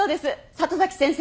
里崎先生。